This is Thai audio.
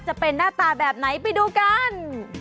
จะเป็นหน้าตาแบบไหนไปดูกัน